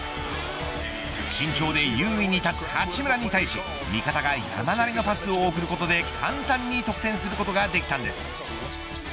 身長で優位に立つ八村に対し味方が山なりのパスを送ることで簡単に得点することができたんです。